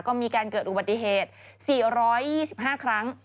ก็มีการเกิดอุบัติเหตุ๔๒๕ครั้ง